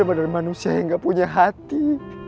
aku bener bener manusia yang gak punya hati